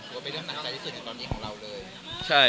ว่าเป็นเรื่องหนักใจที่สุดในตอนนี้ของเราเลย